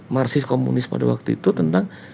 marsis komunis pada waktu itu tentang